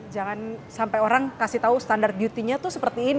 jangan sampai orang kasih tahu standar beauty nya itu seperti ini